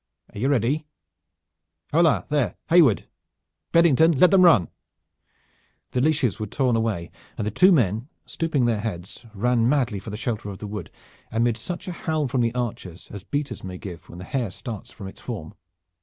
Are you ready! Hola, there, Hayward, Beddington, let them run!" The leashes were torn away, and the two men, stooping their heads, ran madly for the shelter of the wood amid such a howl from the archers as beaters may give when the hare starts from its form.